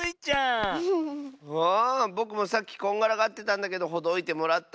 ぼくもさっきこんがらがってたんだけどほどいてもらった。